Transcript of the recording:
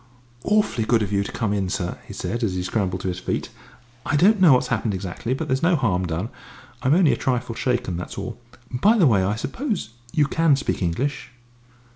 "Awfully good of you to come in, sir," he said, as he scrambled to his feet. "I don't know what's happened exactly, but there's no harm done. I'm only a trifle shaken, that's all. By the way, I suppose you can speak English?"